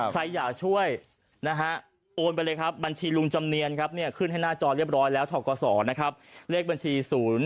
ใครอยากช่วยโอนไปเลยครับบัญชีลุงจำเนียนขึ้นให้หน้าจอเรียบร้อยแล้วถอดกสอนเลขบัญชี๐๒๐๑๘๘๙๕๗๑๙๓